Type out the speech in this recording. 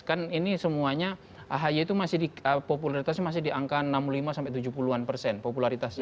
kan ini semuanya ahy itu masih di popularitasnya masih di angka enam puluh lima sampai tujuh puluh an persen popularitasnya